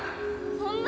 そんな。